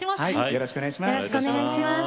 よろしくお願いします。